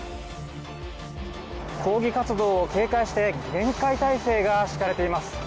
抗議活動を警戒して、厳戒態勢が敷かれています。